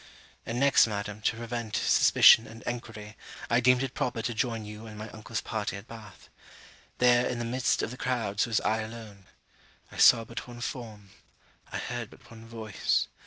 And next, Madam, to prevent suspicion and enquiry, I deemed it proper to join you and my uncle's party at Bath. There, in the midst of the crowds, was I alone. I saw but one form. I heard but one voice.